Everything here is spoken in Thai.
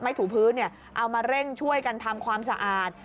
ถูพื้นเอามาเร่งช่วยกันทำความสะอาด